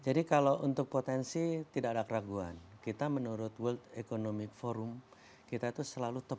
jadi kalau untuk potensi tidak ada keraguan kita menurut world economic forum kita itu selalu top dua puluh